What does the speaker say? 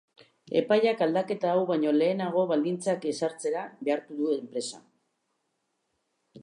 Epaiak aldaketa hau baino lehenagoko baldintzak ezartzera behartu du enpresa.